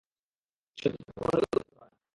সহিংসতা কখনই উত্তর হতে পারে না।